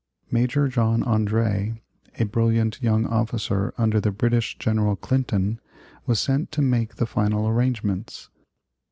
Major John André, a brilliant young officer under the British General Clinton, was sent to make the final arrangements.